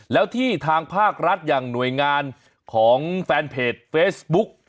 แล้วที่ทางภาครัฐอย่างหน่วยงานของแฟนเพจเฟซบุ๊ก